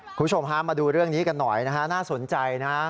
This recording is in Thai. คุณผู้ชมฮะมาดูเรื่องนี้กันหน่อยนะฮะน่าสนใจนะ